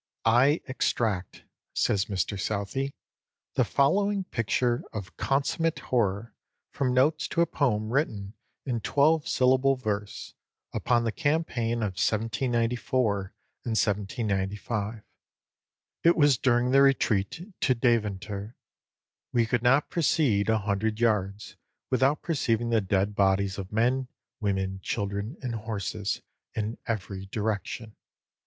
"I extract" (says Mr Southey) "the following picture of consummate horror from notes to a poem written in twelve syllable verse, upon the campaign of 1794 and 1795: it was during the retreat to Deventer. 'We could not proceed a hundred yards without perceiving the dead bodies of men, women, children, and horses, in every direction.